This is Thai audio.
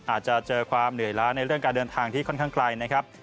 อาจจะเจอความเหนื่อยล้าในเรื่องการเดินทางที่ค่อนข้างไกลนะครับ